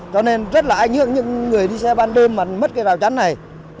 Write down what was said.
cho nên rất là ái nhượng những người đi xe ban đêm mà mất cây rào chắn này